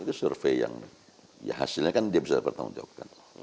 itu survei yang ya hasilnya kan dia bisa bertanggung jawab kan